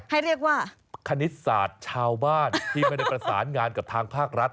ให้เรียกว่าคณิตศาสตร์ชาวบ้านที่ไม่ได้ประสานงานกับทางภาครัฐ